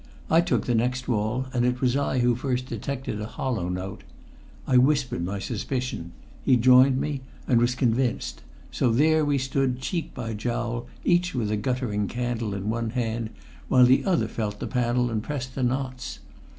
I took the next wall, and it was I who first detected a hollow note. I whispered my suspicion; he joined me, and was convinced; so there we stood cheek by jowl, each with a guttering candle in one hand, while the other felt the panel and pressed the knots.